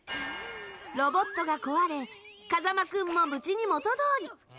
ロボットが壊れ風間君も無事に元どおり！